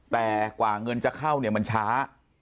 แต่กว่าเงินจะเข้าเนี่ยมันช้า